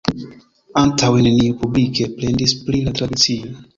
Antaŭe, neniu publike plendis pri la tradicio.